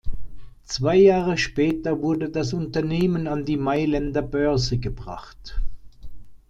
Zwei Jahre später wurde das Unternehmen an die Mailänder Börse gebracht.